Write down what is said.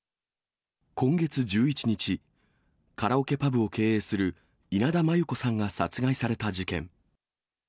今月１１日、カラオケパブを経営する稲田真優子さんが殺害された事件。